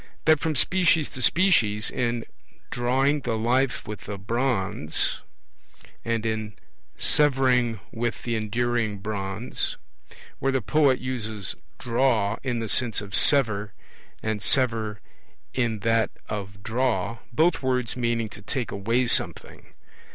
That from species to species in 'Drawing the life with the bronze', and in 'Severing with the enduring bronze'; where the poet uses 'draw' in the sense of 'sever' and 'sever' in that of 'draw', both words meaning to 'take away' something.